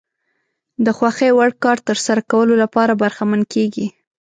د خوښې وړ کار ترسره کولو لپاره برخمن کېږي.